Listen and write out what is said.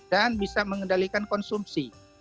dan bisa mengendalikan konsumsi